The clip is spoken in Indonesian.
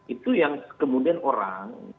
itu yang kemudian orang